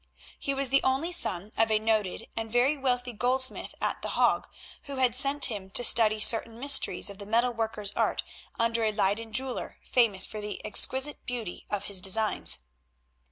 He was the only son of a noted and very wealthy goldsmith at The Hague, who had sent him to study certain mysteries of the metal worker's art under a Leyden jeweller famous for the exquisite beauty of his designs.